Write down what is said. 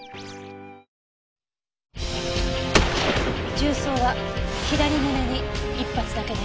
銃創は左胸に１発だけね。